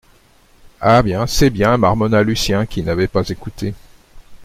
Ah bien, c’est bien, marmonna Lucien qui n’avait pas écouté.